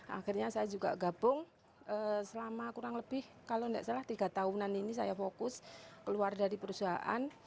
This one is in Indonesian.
akhirnya saya juga gabung selama kurang lebih kalau tidak salah tiga tahunan ini saya fokus keluar dari perusahaan